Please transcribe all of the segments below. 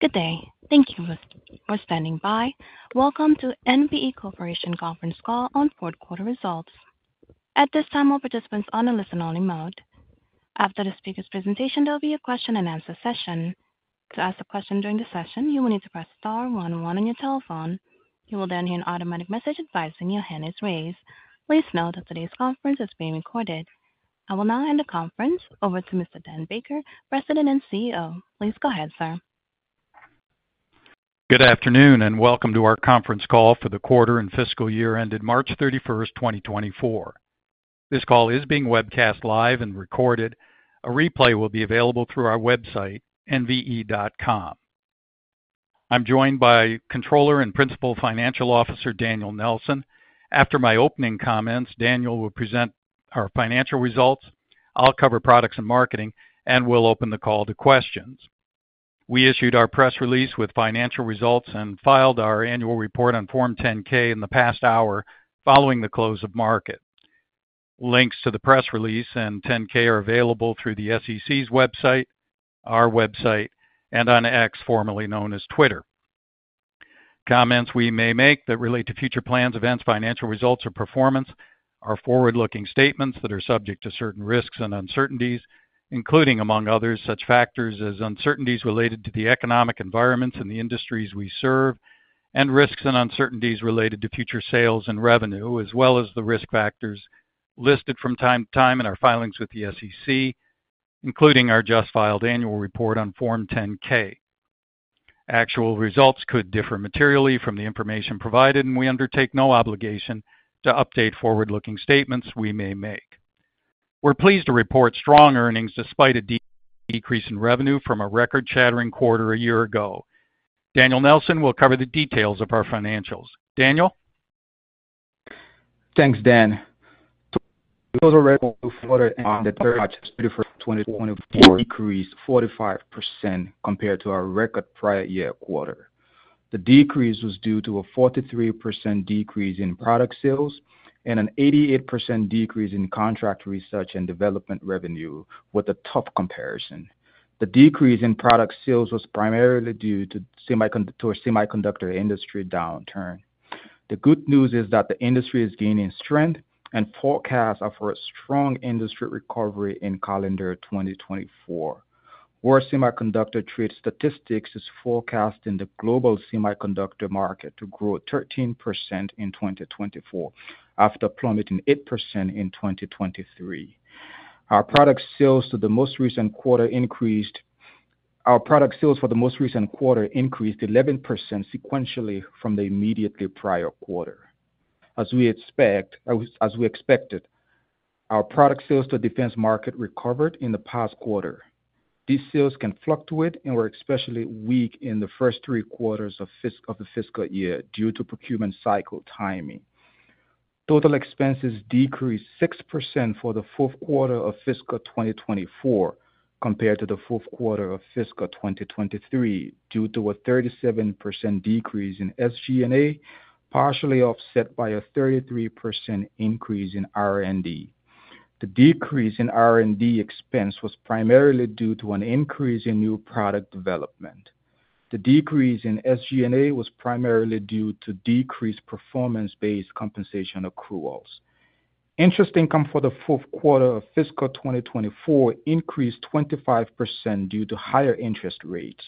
Good day, thank you for standing by. Welcome to NVE Corporation conference call on fourth quarter results. At this time, all participants are on a listen-only mode. After the speaker's presentation, there will be a question-and-answer session. To ask a question during the session, you will need to press star one one on your telephone. You will then hear an automatic message advising your hand is raised. Please note that today's conference is being recorded. I will now hand the conference over to Mr. Dan Baker, President and CEO. Please go ahead, sir. Good afternoon and welcome to our conference call for the quarter and fiscal year ended March 31st, 2024. This call is being webcast live and recorded. A replay will be available through our website, nve.com. I'm joined by Controller and Principal Financial Officer Daniel Nelson. After my opening comments, Daniel will present our financial results. I'll cover products and marketing, and we'll open the call to questions. We issued our press release with financial results and filed our annual report on Form 10-K in the past hour following the close of market. Links to the press release and 10-K are available through the SEC's website, our website, and on X, formerly known as Twitter. Comments we may make that relate to future plans, events, financial results, or performance are forward-looking statements that are subject to certain risks and uncertainties, including, among others, such factors as uncertainties related to the economic environments and the industries we serve, and risks and uncertainties related to future sales and revenue, as well as the risk factors listed from time to time in our filings with the SEC, including our just filed annual report on Form 10-K. Actual results could differ materially from the information provided, and we undertake no obligation to update forward-looking statements we may make. We're pleased to report strong earnings despite a decrease in revenue from a record-shattering quarter a year ago. Daniel Nelson will cover the details of our financials. Daniel? Thanks, Dan. Total revenue for the third quarter ended March 31st, 2024, decreased 45% compared to our record prior-year quarter. The decrease was due to a 43% decrease in product sales and an 88% decrease in contract research and development revenue, with a tough comparison. The decrease in product sales was primarily due to semiconductor industry downturn. The good news is that the industry is gaining strength, and forecasts are for a strong industry recovery in calendar 2024. World Semiconductor Trade Statistics is forecasting the global semiconductor market to grow 13% in 2024 after plummeting 8% in 2023. Our product sales in the most recent quarter increased 11% sequentially from the immediately prior quarter. As we expected, our product sales to defense market recovered in the past quarter. These sales can fluctuate, and were especially weak in the first three quarters of the fiscal year due to procurement cycle timing. Total expenses decreased 6% for the fourth quarter of fiscal 2024 compared to the fourth quarter of fiscal 2023 due to a 37% decrease in SG&A, partially offset by a 33% increase in R&D. The increase in R&D expense was primarily due to an increase in new product development. The decrease in SG&A was primarily due to decreased performance-based compensation accruals. Interest income for the fourth quarter of fiscal 2024 increased 25% due to higher interest rates.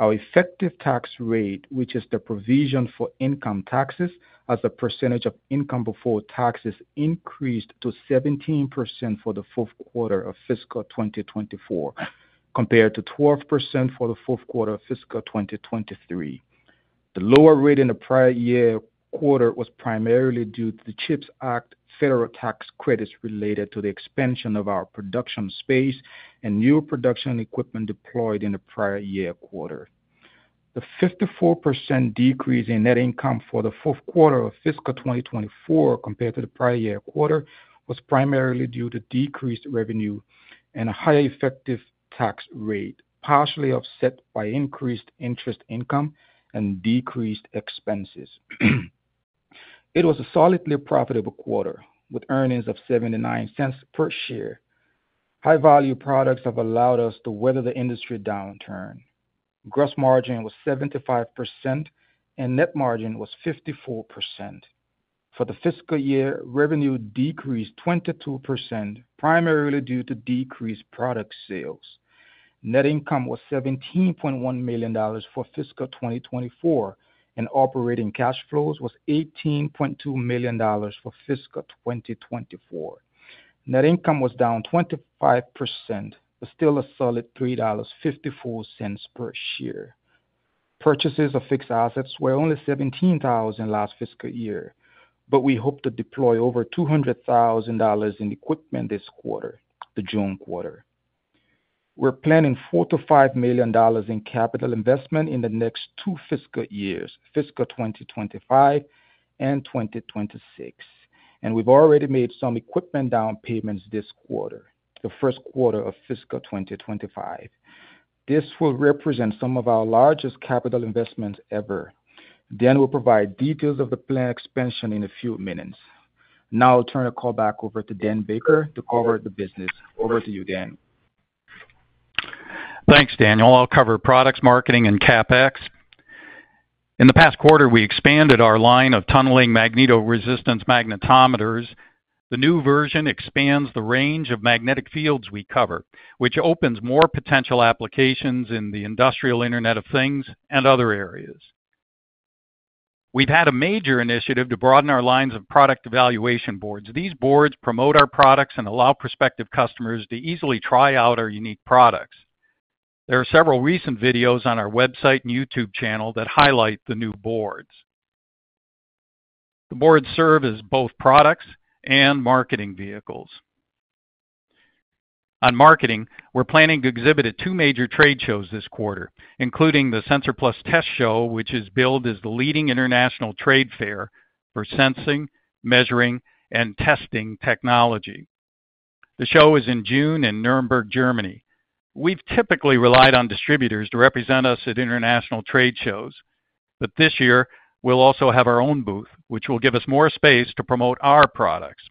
Our effective tax rate, which is the provision for income taxes, as a percentage of income before taxes, increased to 17% for the fourth quarter of fiscal 2024 compared to 12% for the fourth quarter of fiscal 2023. The lower rate in the prior-year quarter was primarily due to the CHIPS Act federal tax credits related to the expansion of our production space and new production equipment deployed in the prior-year quarter. The 54% decrease in net income for the fourth quarter of fiscal 2024 compared to the prior-year quarter was primarily due to decreased revenue and a higher effective tax rate, partially offset by increased interest income and decreased expenses. It was a solidly profitable quarter, with earnings of $0.79 per share. High-value products have allowed us to weather the industry downturn. Gross margin was 75%, and net margin was 54%. For the fiscal year, revenue decreased 22%, primarily due to decreased product sales. Net income was $17.1 million for fiscal 2024, and operating cash flows was $18.2 million for fiscal 2024. Net income was down 25%, but still a solid $3.54 per share. Purchases of fixed assets were only $17,000 last fiscal year, but we hope to deploy over $200,000 in equipment this quarter, the June quarter. We're planning $4-$5 million in capital investment in the next two fiscal years, fiscal 2025 and 2026, and we've already made some equipment down payments this quarter, the first quarter of fiscal 2025. This will represent some of our largest capital investments ever. Dan will provide details of the planned expansion in a few minutes. Now I'll turn the call back over to Dan Baker to cover the business. Over to you, Dan. Thanks, Daniel. I'll cover products, marketing, and CapEx. In the past quarter, we expanded our line of tunneling magnetoresistance magnetometers. The new version expands the range of magnetic fields we cover, which opens more potential applications in the Industrial Internet of Things and other areas. We've had a major initiative to broaden our lines of product evaluation boards. These boards promote our products and allow prospective customers to easily try out our unique products. There are several recent videos on our website and YouTube channel that highlight the new boards. The boards serve as both products and marketing vehicles. On marketing, we're planning to exhibit at two major trade shows this quarter, including the Sensor+Test Show, which is billed as the leading international trade fair for sensing, measuring, and testing technology. The show is in June in Nuremberg, Germany. We've typically relied on distributors to represent us at international trade shows, but this year we'll also have our own booth, which will give us more space to promote our products.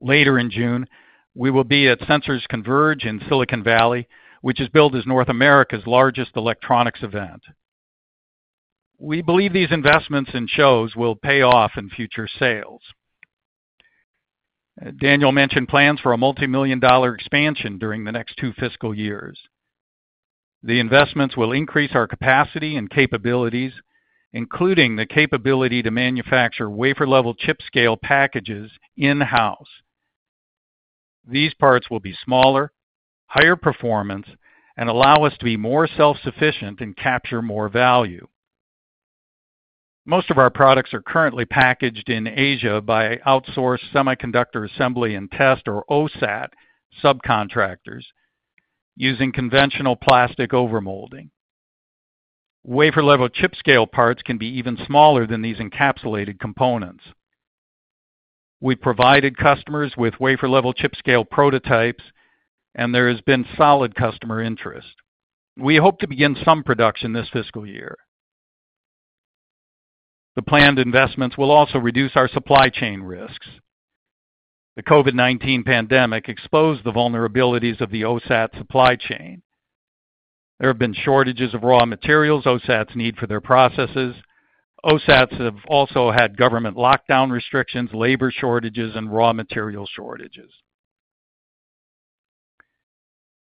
Later in June, we will be at Sensors Converge in Silicon Valley, which is billed as North America's largest electronics event. We believe these investments in shows will pay off in future sales. Daniel mentioned plans for a multimillion-dollar expansion during the next two fiscal years. The investments will increase our capacity and capabilities, including the capability to manufacture wafer-level chip-scale packages in-house. These parts will be smaller, higher performance, and allow us to be more self-sufficient and capture more value. Most of our products are currently packaged in Asia by outsourced semiconductor assembly and test, or OSAT, subcontractors, using conventional plastic overmolding. Wafer-level chip-scale parts can be even smaller than these encapsulated components. We've provided customers with wafer-level chip-scale prototypes, and there has been solid customer interest. We hope to begin some production this fiscal year. The planned investments will also reduce our supply chain risks. The COVID-19 pandemic exposed the vulnerabilities of the OSAT supply chain. There have been shortages of raw materials OSATs need for their processes. OSATs have also had government lockdown restrictions, labor shortages, and raw material shortages.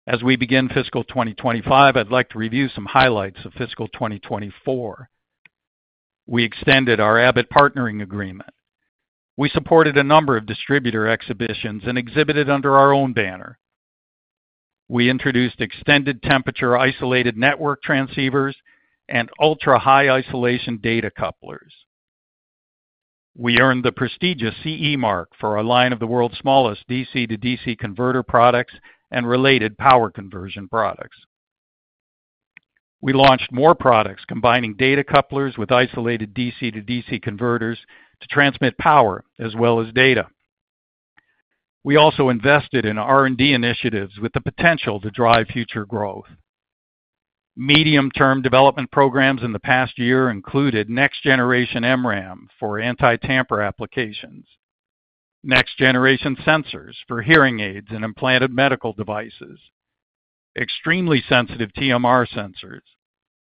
As we begin fiscal 2025, I'd like to review some highlights of fiscal 2024. We extended our Abbott Partnering Agreement. We supported a number of distributor exhibitions and exhibited under our own banner. We introduced extended temperature isolated network transceivers and ultra-high isolation data couplers. We earned the prestigious CE Mark for our line of the world's smallest DC-to-DC converter products and related power conversion products. We launched more products combining data couplers with isolated DC-to-DC converters to transmit power as well as data. We also invested in R&D initiatives with the potential to drive future growth. Medium-term development programs in the past year included next-generation MRAM for anti-tamper applications, next-generation sensors for hearing aids and implanted medical devices, extremely sensitive TMR sensors,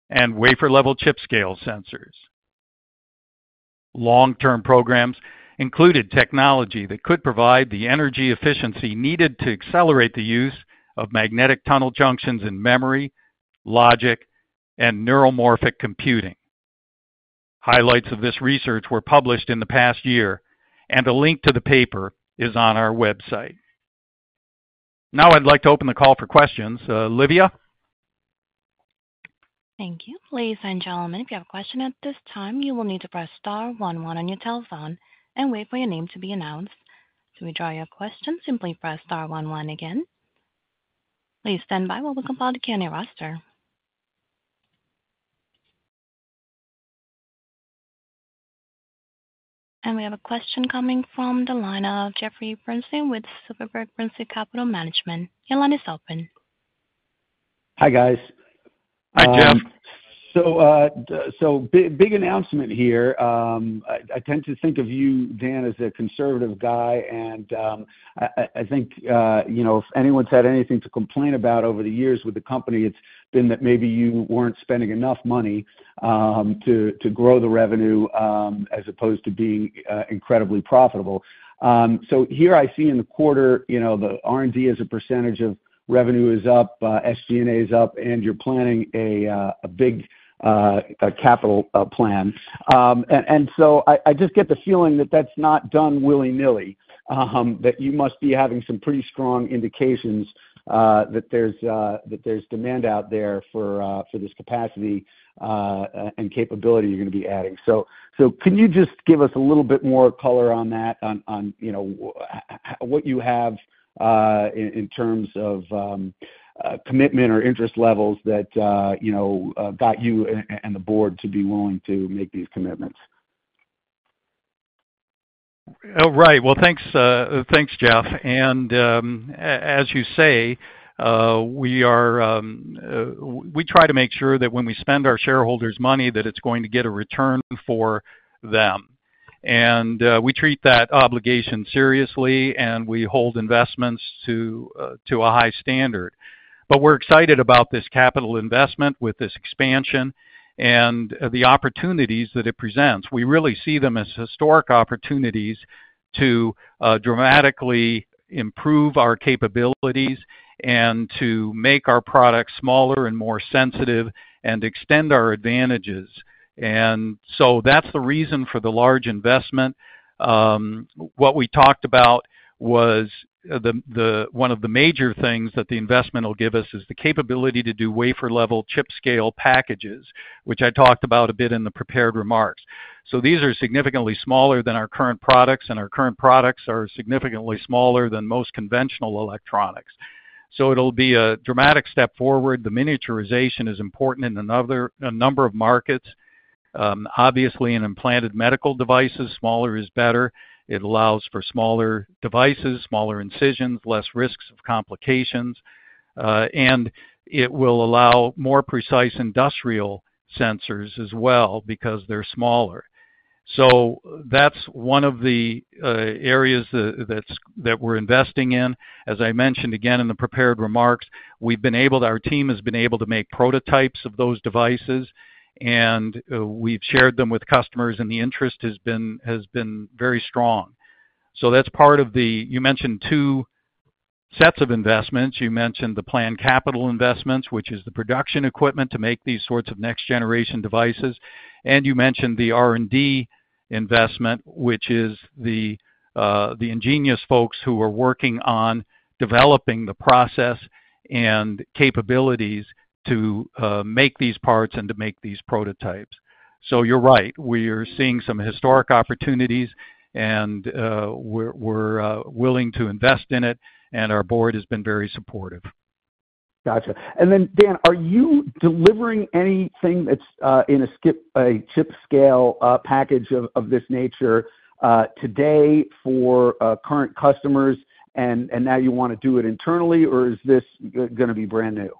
and wafer-level chip-scale sensors. Long-term programs included technology that could provide the energy efficiency needed to accelerate the use of magnetic tunnel junctions in memory, logic, and neuromorphic computing. Highlights of this research were published in the past year, and a link to the paper is on our website. Now I'd like to open the call for questions. Olivia? Thank you. Ladies and gentlemen, if you have a question at this time, you will need to press star one one on your telephone and wait for your name to be announced. Should we draw your question, simply press star one one again. Please stand by while we compile the county roster. And we have a question coming from the line of Jeff Bernstein with Silverberg Bernstein Capital Management. Your line is open. Hi, guys. Hi, Jeff. So big announcement here. I tend to think of you, Dan, as a conservative guy, and I think if anyone's had anything to complain about over the years with the company, it's been that maybe you weren't spending enough money to grow the revenue as opposed to being incredibly profitable. So here I see in the quarter, the R&D as a percentage of revenue is up, SG&A is up, and you're planning a big capital plan. And so I just get the feeling that that's not done willy-nilly, that you must be having some pretty strong indications that there's demand out there for this capacity and capability you're going to be adding. So can you just give us a little bit more color on that, on what you have in terms of commitment or interest levels that got you and the board to be willing to make these commitments? Right. Well, thanks, Jeff. As you say, we try to make sure that when we spend our shareholders' money, that it's going to get a return for them. We treat that obligation seriously, and we hold investments to a high standard. But we're excited about this capital investment with this expansion and the opportunities that it presents. We really see them as historic opportunities to dramatically improve our capabilities and to make our products smaller and more sensitive and extend our advantages. So that's the reason for the large investment. What we talked about was one of the major things that the investment will give us is the capability to do wafer-level chip-scale packages, which I talked about a bit in the prepared remarks. These are significantly smaller than our current products, and our current products are significantly smaller than most conventional electronics. So it'll be a dramatic step forward. The miniaturization is important in a number of markets. Obviously, in implanted medical devices, smaller is better. It allows for smaller devices, smaller incisions, less risks of complications. And it will allow more precise industrial sensors as well because they're smaller. So that's one of the areas that we're investing in. As I mentioned again in the prepared remarks, our team has been able to make prototypes of those devices, and we've shared them with customers, and the interest has been very strong. So that's part of the you mentioned two sets of investments. You mentioned the planned capital investments, which is the production equipment to make these sorts of next-generation devices. You mentioned the R&D investment, which is the ingenious folks who are working on developing the process and capabilities to make these parts and to make these prototypes. You're right. We are seeing some historic opportunities, and we're willing to invest in it, and our board has been very supportive. Gotcha. And then, Dan, are you delivering anything that's in a chip-scale package of this nature today for current customers, and now you want to do it internally, or is this going to be brand new?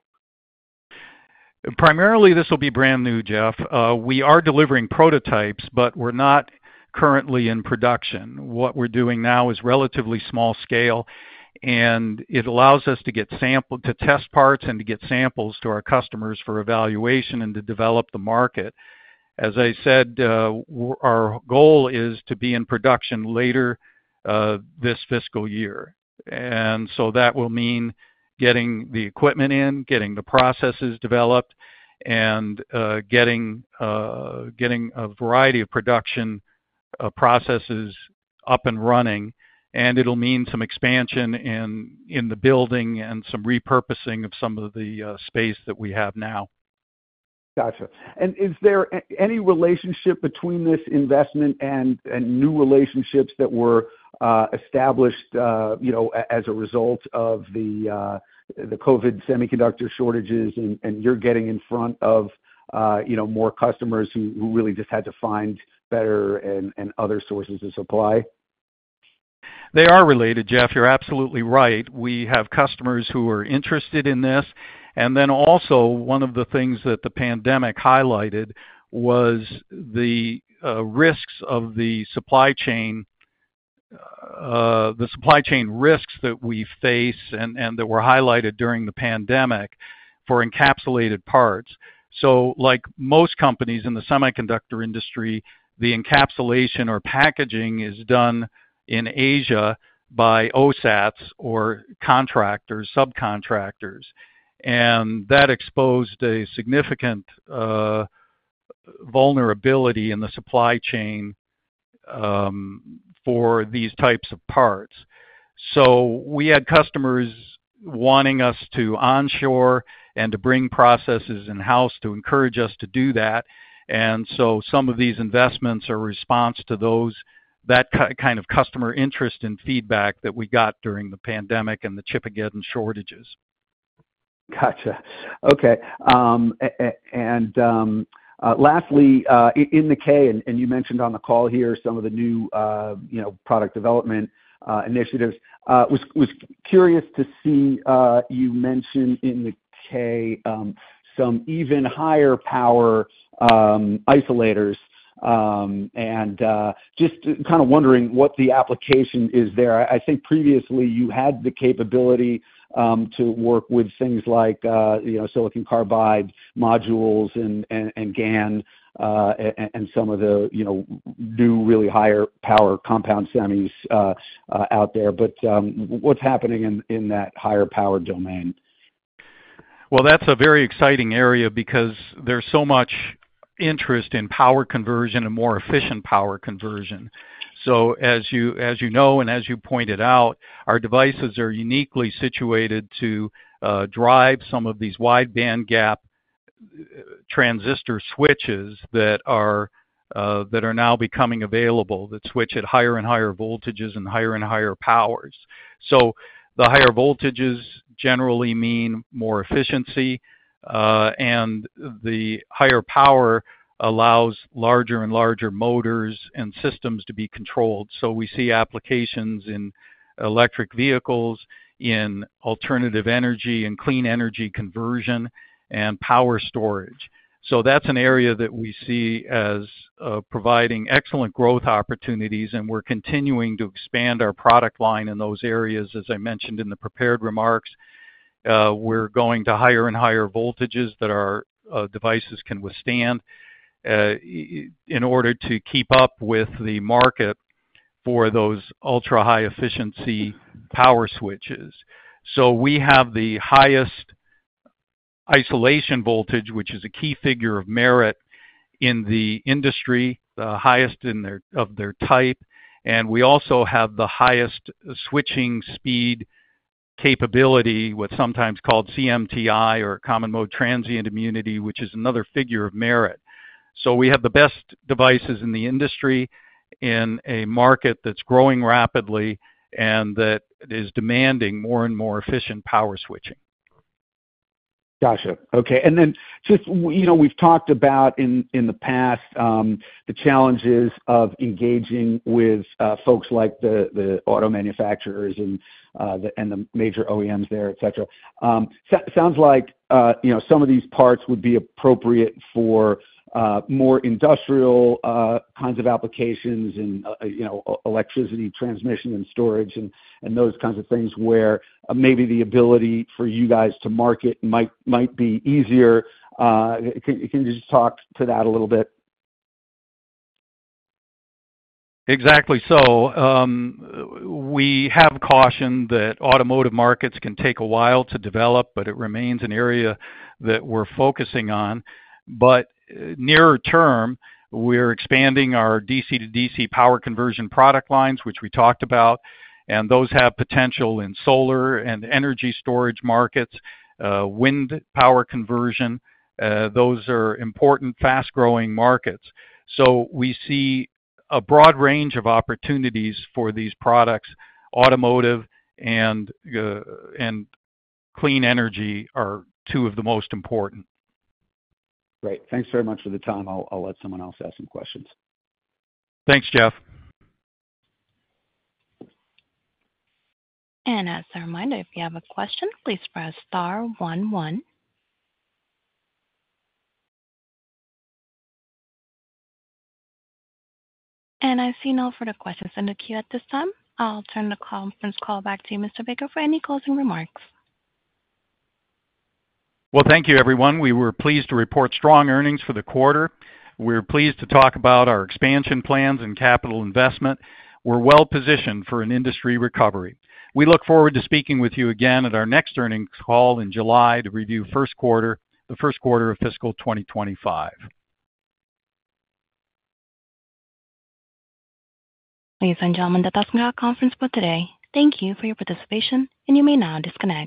Primarily, this will be brand new, Jeff. We are delivering prototypes, but we're not currently in production. What we're doing now is relatively small-scale, and it allows us to get samples to test parts and to get samples to our customers for evaluation and to develop the market. As I said, our goal is to be in production later this fiscal year. That will mean getting the equipment in, getting the processes developed, and getting a variety of production processes up and running. It'll mean some expansion in the building and some repurposing of some of the space that we have now. Gotcha. And is there any relationship between this investment and new relationships that were established as a result of the COVID semiconductor shortages and you're getting in front of more customers who really just had to find better and other sources of supply? They are related, Jeff. You're absolutely right. We have customers who are interested in this. And then also, one of the things that the pandemic highlighted was the risks of the supply chain risks that we face and that were highlighted during the pandemic for encapsulated parts. So like most companies in the semiconductor industry, the encapsulation or packaging is done in Asia by OSATs or contractors, subcontractors. And that exposed a significant vulnerability in the supply chain for these types of parts. So we had customers wanting us to onshore and to bring processes in-house to encourage us to do that. And so some of these investments are a response to that kind of customer interest and feedback that we got during the pandemic and the chip, again, shortages. Gotcha. Okay. And lastly, in the 10-K, and you mentioned on the call here some of the new product development initiatives, I was curious to see you mention in the 10-K some even higher power isolators. And just kind of wondering what the application is there. I think previously, you had the capability to work with things like silicon carbide modules and GaN and some of the new really higher power compound semis out there. But what's happening in that higher power domain? Well, that's a very exciting area because there's so much interest in power conversion and more efficient power conversion. So as you know and as you pointed out, our devices are uniquely situated to drive some of these wide-bandgap transistor switches that are now becoming available that switch at higher and higher voltages and higher and higher powers. So the higher voltages generally mean more efficiency, and the higher power allows larger and larger motors and systems to be controlled. So we see applications in electric vehicles, in alternative energy, in clean energy conversion, and power storage. So that's an area that we see as providing excellent growth opportunities, and we're continuing to expand our product line in those areas. As I mentioned in the prepared remarks, we're going to higher and higher voltages that our devices can withstand in order to keep up with the market for those ultra-high efficiency power switches. So we have the highest isolation voltage, which is a key figure of merit in the industry, the highest of their type. And we also have the highest switching speed capability with sometimes called CMTI or common mode transient immunity, which is another figure of merit. So we have the best devices in the industry in a market that's growing rapidly and that is demanding more and more efficient power switching. Gotcha. Okay. And then just we've talked about in the past the challenges of engaging with folks like the auto manufacturers and the major OEMs there, etc. Sounds like some of these parts would be appropriate for more industrial kinds of applications and electricity transmission and storage and those kinds of things where maybe the ability for you guys to market might be easier. Can you just talk to that a little bit? Exactly. So we have cautioned that automotive markets can take a while to develop, but it remains an area that we're focusing on. But nearer term, we're expanding our DC to DC power conversion product lines, which we talked about, and those have potential in solar and energy storage markets, wind power conversion. Those are important, fast-growing markets. So we see a broad range of opportunities for these products. Automotive and clean energy are two of the most important. Great. Thanks very much for the time. I'll let someone else ask some questions. Thanks, Jeff. As a reminder, if you have a question, please press star one one. I see no further questions in the queue at this time. I'll turn the conference call back to you, Mr. Baker, for any closing remarks. Well, thank you, everyone. We were pleased to report strong earnings for the quarter. We're pleased to talk about our expansion plans and capital investment. We're well positioned for an industry recovery. We look forward to speaking with you again at our next earnings call in July to review the first quarter of fiscal 2025. Ladies and gentlemen, that does conclude our conference call today. Thank you for your participation, and you may now disconnect.